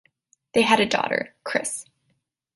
They had a daughter, Chris.